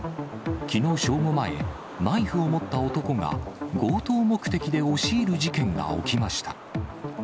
きのう正午前、ナイフを持った男が強盗目的で押し入る事件が起きました。